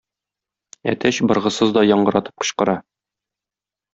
Әтәч быргысыз да яңгыратып кычкыра.